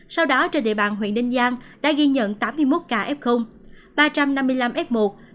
sau đó trên địa bàn huyện ninh giang đã ghi nhận tám mươi một ca f ba trăm năm mươi năm f một